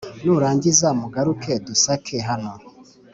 nurangiza mugaruke dusake hano